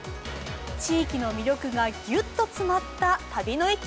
地域の魅力がぎゅっと詰まった旅の駅。